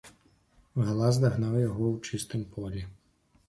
Галас дагнаў яго ў чыстым полі.